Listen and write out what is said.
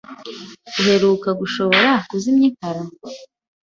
Uheruka gushobora kuzimya itara?